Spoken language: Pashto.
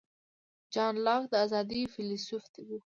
جان لاک د آزادۍ فیلیسوف و.